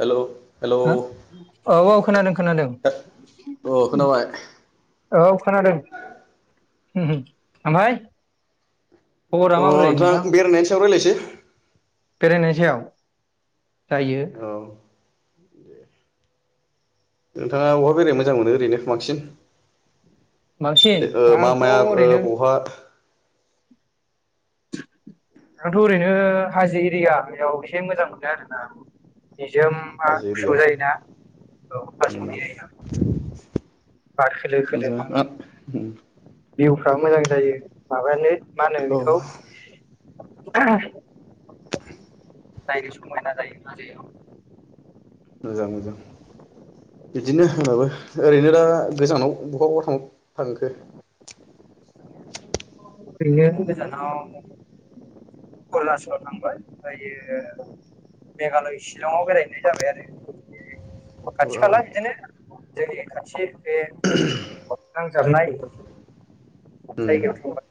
Hello hello. हो औ औ खोनादों खोनादों अ खोनाबाय अ औ खोनादों। उमहो आमाय। अ' नोंथां बेरायनायनि सायाव रायलायसै। [inaudible] बेरायनायनि सायाव। जायो। दे नोंथाङा बहा बेरायनो मोजां मोनो ओरैनो बांसिन? बांसिन ओ आंथ' मामाया ओ ओरैनो बहा आंथ' ओरैनो हाजो एरियायाव एसे मोजां मोनो आरोना। निजोमबा हाजो गुसु एरिया जायोना औ उम [unintelligible] बार खोलो खोलो मोजां नाङो। आ उम भिउफ्रा मोजां जायो माबायानो मा होनो औ बिखौ? नायनो समायना जायो माने। मोजां मोजां बिदिनो आंनाबो ओरैनो दा गोजानाव बहा बहा थां आंगो। बेयोथ गोजानाव अरुणाचलाव थांबाय ओमफ्रायो मेघालय शिलंआव बेरायनाय जाबाय आरो। खाथि खाला बाब बिदिनो। जोंनि खाथि बे नांजाबनाय। उम जायगायाव थांबा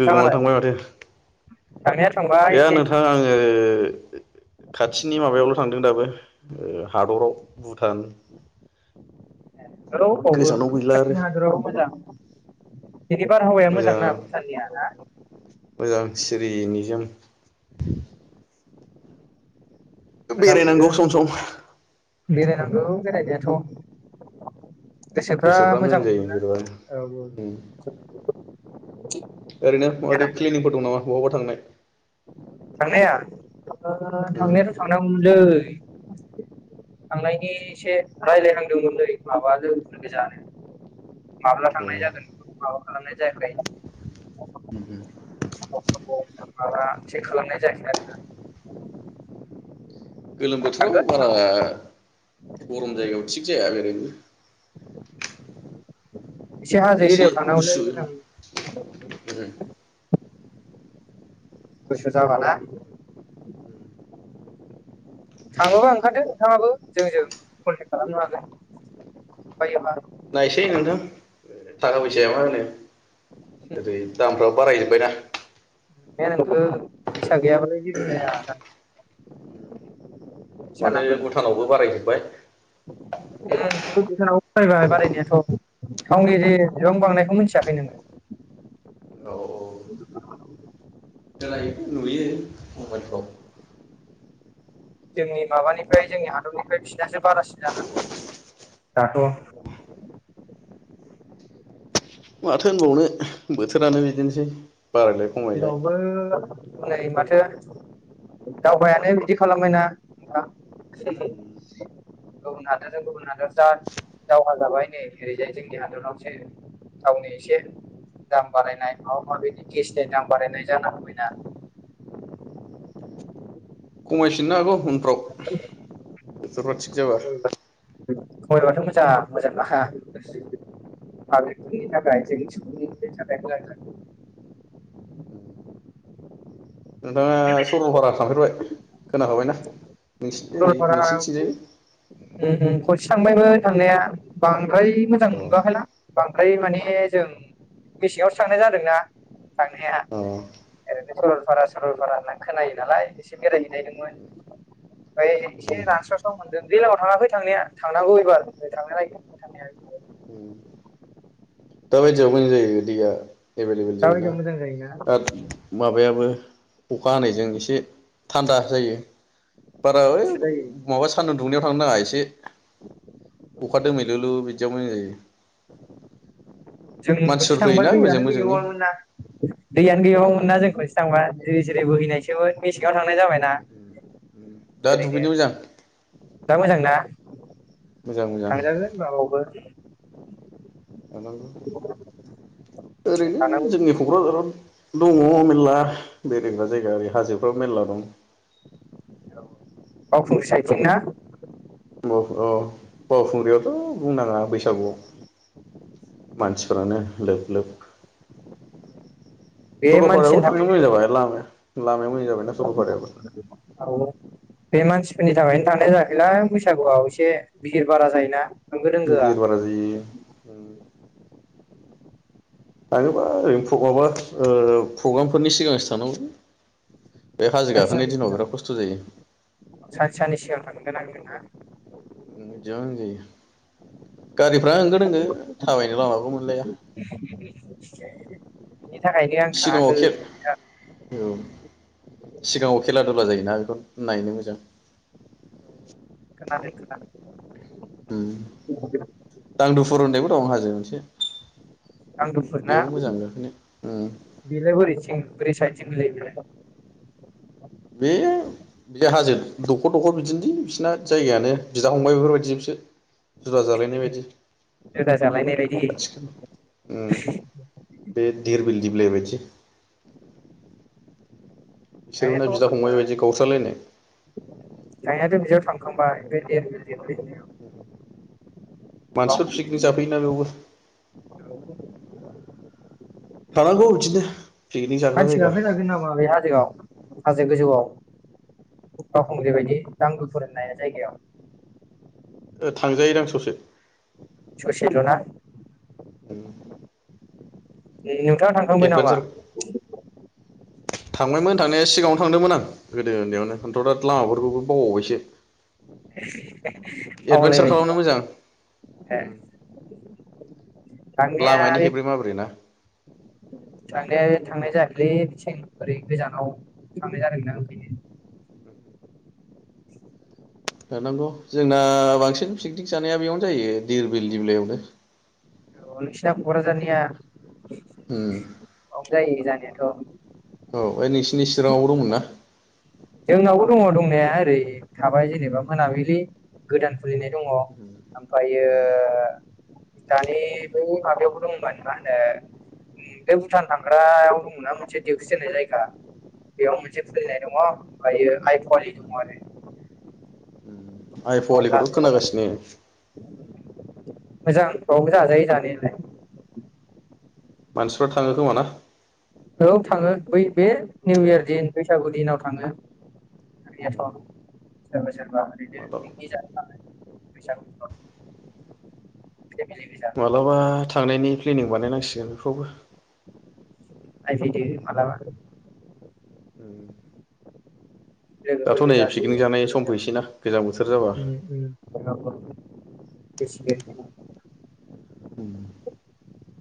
गोगोमानो थांबाय माथो। थांनाया थांबाय इसे। ओ खाथिनि माबायावल थांदों दाबो ओ हादराव भुटान। रौ फ्रावबो गोजानाव गैला आरो खाथिनि हादरावबो मोजां। बिदि बारहावाया मोजां ना भुटाननिया ना? जों। मोजां मोनदों बेरायनांगौ आंबो सम सम। बेरायनांगौ बेरायनायाथ'। गोसोफ्रा मोजां मोनोना औ-औ। उम [inaudible] ओरैनो माबै फ्लेनिंफोर दं नामा बहाबा थांनाय। थांनाया ओ उम थांनायाथ' थांनांगौमोनलै। थांनायनि एसे रायलायनांदोंमोनलै माबा लोगोफोर गोजानो। माब्ला थांनाय जागोन थांनाय जायाखै। उम-उम। [inaudible] माबा थिग खालामनाय जायाखै आरोना। गोलोम बोथोराव बारा थांगोन गरम जायगायाव थिग जाया [unintelligible] एसे हाजो एरियाव थांनांगौ उम लै [unintelligible] गुसु जाबाना। थांङोबा ओंखारदो नोंथाङाबो जोंजों कन्टेक खालामनो हागोन बायोबा। नायसै नोंथां थाखा फैसाया मा होनो ओरै दामफ्रा बारायजोब्बायना। [unintelligible] [unintelligible] जा गैया बालाय जाया आ माथो नांगोरगौ भुटानावबो सिगां बारायजोबाय। [unintelligible] बारायनायाथ थावनि जे बिबां बांनायखौ मिथियाखै नोङो। औ [inaudible] मोनखौ जोंनि माबानिफ्राय जोंनि हादरनिफ्राय बिसिरनासो बारासिन जान दङ दाथ' माथो होनबावनो। बोथोरानो बिदिनोसै। बारायलाय खमायलाय जेरावबो नै मा थो दावबायानो बिदि खालामबायना उम नोंथां उम गुबुन हादरजों गुबुन हादर जा दावहा जाबाय नै ओरैजाय जोंनि हादरावसो थावनि एसे दाम बारायनाय माबा मायबिनि उम गेसनि दाम बानायनाय जानो होबायना। खमायफिननो हागौ उनफ्राव। [unintelligible] थिग जाबा। जा मोजां नाखा। [unintelligible] [unintelligible] नोंथाङा सरलपारा थांफेरबाय खोना खाबाय ना नोंसिथिं ओरै नोंसिनिथिंजाय ओ ओ खरसे थांबायमों थांनाया बां बांद्राय मोजां अ मोनबोखैला बांद्राय माने जों मेसेआवसो थांनाय जादोंना थांनाया अ ओरैनो स'रलपारा स'रलपारा होनना खोनायो नालाय एसे बेराय हैनायदोंमोन ओमफाय एसे रानस्राव स्राव मोनदों दैलावआव थाङाखै थांनाया थांनांगौ एबार मोजाङै नायजोबनो थांनाया ओम दा बायदियाव मोजां जायो दैया एभेलएबेल दा जायोना बायदियाव मोजां जायोना दा माबायाबो अखा हानायजों एसे थान्दा जायो बारा इ जायो माबा सान्दुं दुंनायाव थांनाङा एसे एसे अखा दोमैलु लु बिदि बादिआव मोजां जायो जों खनसे मानसिफोर थांबा फैयोना बोजों दैयानो बोजोंनि गैयाबावानोमोन ना दैयानो गैयाबावानोमोन ना जों खनसे थांबा जिरि जिरि बोहैनायसो मोन मेसेंआव थांबा ओम उम दा दुगैनो ओरैनो मोजां दा मोजां ना? मोजां मोजां थायजागोन होमबा बावबो थांनांगौ ओरैनो थांनांगौ जोंनि क'क्राझाराव दङ मेर्ला बेरायग्रा जायगा ओरै हाजोफ्राव मेरला दं। औ बावखुंग्रि साइदथिं ना ओ औ बावखुंग्रियावथ' बुंनाङा बैसागुआव मानसिफ्रानो लोब लोब बे मानसिनि स'रलपारायावबो थांनो थाखायनो मोजां जाबाय लामायाव मोजां जाबायना स'रलपारायावो फोरनि थाखायनो थानाय जायाखैलां बैसागुआव एसे बिहिर बारा जायोना होंगो दोंगोआ हिर बारा जायो उम थाङोबा ओरैनो प्रग्रामा ओ प्रग्रामफोरनि सिगांसो थानांगौलै सानसे साननै सिगां सानसे साननै सिगां थांग्रो नांगोन ना? ओ बिदिबो होनजायो गारिफ्रा होंगो दोंगो थाबायनोबो लामाबो मोनलाया बिनि थाखायनो आं सिगाङाव थाङाखै खेब नोंथां सिगाङाव खेला धुला जायोना बेखौ नायनो मोजां [unintelligible] ओम दांदुफुर होननायबो दं हाजो मोनसे दांदुफुर ना बेयाव मोजां गाखोनो उम बेलाय बोरैथिं बोरै साइदथिं गोलैयो बेलाय? बे बे हाजो दखर दखर बिदिनोलै बिसोरना जायगायानो बिदा फंबायफोर बायदिजोबसो जुदा जालायनाय बायदि रोदा जालायनाय बायदि आथिखाल ओम बे देरबिल दिबलाइ बायदि बिसोरबोना गायनायाथ' आो बिदा फंबाय बायदि गावस्रालायनाय गायनायाथ' बियाव थां [unintelligible] एखमबा [unintelligible] मानसिफोर फिकनिक बावखुंग्रिथिं जाफैयोना बेवबो थांनांगौ बिदिनो पिकनिक जाग्रा मानसिया जायगा फैना दों नामा बे हाजोआव हाजो बे गोजौआव बावखुंग्रिबायदि दांदुफुर होननाय जायगायाव ओ थांजायोदां ससे ससे ल'ना? उम नों नोंथाङा थांखांबाय नामा? थांबायमोन थांनाया सिगाङावनो थांदोंमोन आं गोदो उन्दैयावनो आंथ' दा लामाफोरखौबो बावबावबायसो। एडभेन्सार बावलायबाय खालामनो होमबा मोजां उम हो थांनाया लामानि खेब्रे माब्रे ना थांनाया थांनाय जायाखै बेथिं ओरै गोजानाव थांनाय जादों ना ओंखायनो [inaudible] [inaudible] थानांगौ जोंना बांसिन फिकनिक जानाया बेयावनो जायो दिरबिल दिबलायावनो औ नोंसिना क'क्राझारनिया उम औ जायो जानायाथ' औ ओइ नोंसिनि चिराङावबो दंमोन ना? जोंनावबो दंङ दंनाया ओरै थाबाय जेनेबा मोनाबिलि गोदान खुलिनाय दङ ओमफ्रायो दानि बै माबायावबो दंमोन मा होनो बे भुटान थांग्रायाव दंमोनना मोनसे दिउखुसि होननाय जायगा बेयाव मोनसे खुलिनाय दंङ ओमफ्रायो हाइ पुवालि दङ आरो बाव आइफवालिखौथ' जाजायो खोनागासिनो मोजां बावबो जाजायो जानायालाय। मानसिफ्रा थाङो खोमा ना? ओं थांङो बै बे निउ इयार दिन बैसागु दिनाव थांङो थांनायाथ जेनबा ओरैनो मालाबा पिकनिक जानो थांङो बैसागु फोराव मालाबा थांनायनि प्लेनिं बानायनांसिगोन खौबो नायफैदो मालाबा उम लोगोफोर गोजासो जानाय सम फैसैना गोजां बोथोर जाबा सोलोंजागोन फैसिगोन उम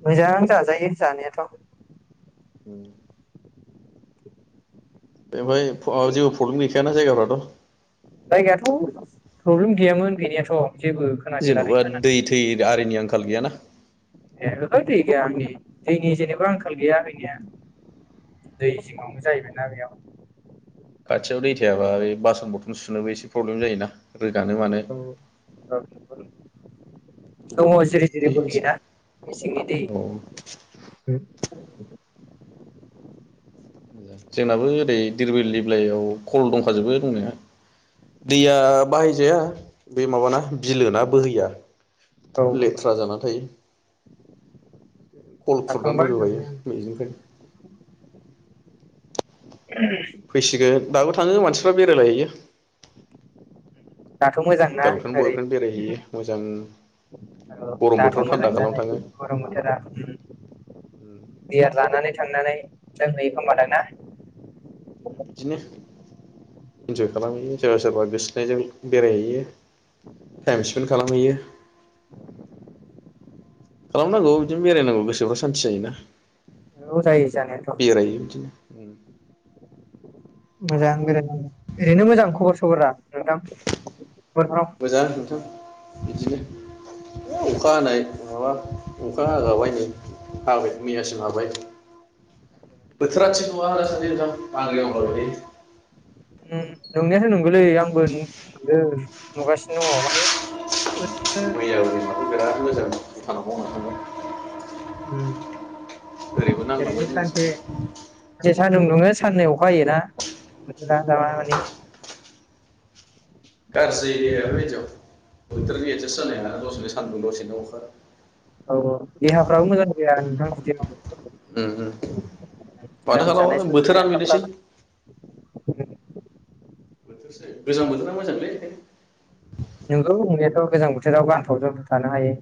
मोजां जाजायो जानायाथ उम बेवहाय जेबो प्रब्लेम जायगायाथ' गैखायाना जायगाफ्राथ प्रब्लेम गैयामोन गैनायाथ जेबो खोनाफेराखै जेनबा दै खोनानाया थै आरिनि आंखाल गैयाना ए ओहो दै गैया आंनि दैनि जेनेबा आंखाल गैया गैनाया दै जिङावनो जाहैबाय ना बेयाव खाथियाव दै थायाबा बे बासन बरथन सुनोबो एसे प्रब्लेम जायोना रोगानो मानो औ औ दङ जिरि जिरि बे एसे बोहैयोना मेसेंनि दै [inaudible] औ जोंनाबो ओरै दिरबिल दिब्लाइयाव खल दंखाजोबो दंनाया दैया बाहायजाया बे माबाना बिलोना बोहैया। औ लेथ्रा जाना थायो खल खुरनानै थांखांबाय रजगायो थांनाया आं मजिंफ्राय फैसिगोन दाबो थाङो मानसि बेेरायला होयो दाथ' मोजां ना गार्लफ्रेइन्ड बयफ्रेइण्ड बेरायहैयो मोजां आरो गरम दाथ बोथोराव मोजां थान्दा खालामनो नालाय थाङो गरम बोथोरा बियार लानानै थांनानै जों नयो खोमादां ना? बिदिनो इन्जय खालामहैयो सोरबा सोरबा गोसो थोनायजों बेरायहैयो टाइम स्पेन्ड खालामहैयो खालामनांगौ बिदिनो बेरायनांगौ गोसोफ्रा सान्थि जायोना औ जायो जानायाथ' बेरायो बिदिनो मोजां बिरात ओरैनो मोजां खबर सबरा नोंथां हरफाम मोजां नोंथां बिदिनो अखा हानाय माबा अखा हागाबायनै हाबाय मैयासिम हाबाय बोथोरा थिग नङा दासान्दि नोंथां [unintelligible] नं नंनायाथ नंगौलै आंबो नो नुगासिनो दङ माने ओद थायो मैयाबो बिराद मोजां दखानाव थांगौ [unintelligible] ओम नांलांबाय ओरैनो सानसे जोंनिथिंबो सानसे सानदुं दुङो साननै अखायोना? दा औ जाबाय मानि गाज्रि बायदियाव बोथोरनि एडजास्ट जानाय दसेनो सानदुं दसेनो अखा। औ देहाफ्राबो मोजां जाया नोंथां दियाव। उम उम फाथो लोमजानाय खालाम साजानाया बोथोरानो थाब बिदिसै। लागासिनो बोथोरसै गोजां बोथोरा मोजांलै। नंगौ नंनायाथ गोजां बोथोराव गानफब जोमफब थानो हायो।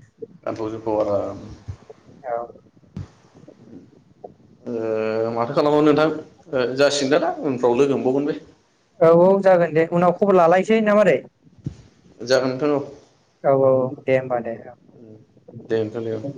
गानफ जोफ आ। औ [unintelligible] ओ माथो खालामबावनो नोंथां जासिगोनदोलां उनफ्राव लोगो मोनबावगोन बे। औ औ जागोन दे उनाव खबर लालायसै ना मारै? जागोन थां-औ। औ-औ दे-होमबा दे। औ उम दे [unintelligible]